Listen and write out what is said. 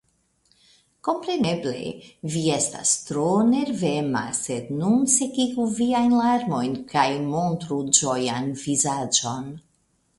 Kompreneble; vi estas tro nervema, sed nun sekigu viajn larmojn kaj montru ĝojan vizaĝon.